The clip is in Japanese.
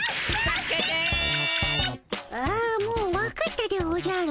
ああもうわかったでおじゃる。